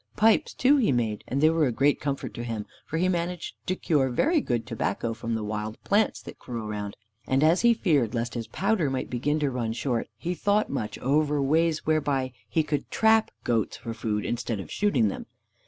Pipes, too, he made, and they were a great comfort to him, for he managed to cure very good tobacco from the wild plants that grew around. And as he feared lest his powder might begin to run short, he thought much over ways whereby he could trap goats for food, instead of shooting them.